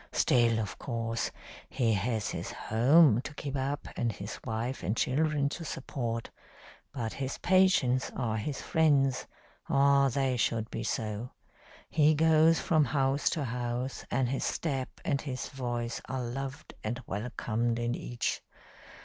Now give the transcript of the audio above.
Still, of course, he has his home to keep up and his wife and children to support. But his patients are his friends or they should be so. He goes from house to house, and his step and his voice are loved and welcomed in each.